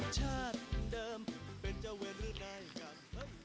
ชาติเหมือนเดิมเป็นเจ้าแหวนฤดได้กัน